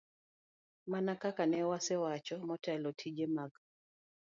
Mana kaka ne asewacho motelo, tije mag